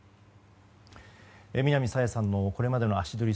南朝芽さんのこれまでの足取り。